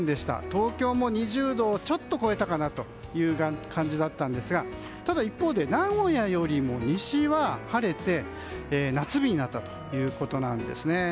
東京も２０度をちょっと超えたかなという感じだったんですがただ一方で名古屋よりも西は晴れて夏日になったということなんです。